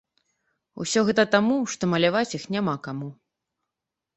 Усё гэта таму, што маляваць іх няма каму.